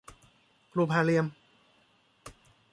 รูปห้าเหลี่ยม